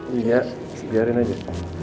iya biarin aja